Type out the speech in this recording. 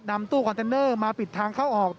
ตู้คอนเทนเนอร์มาปิดทางเข้าออก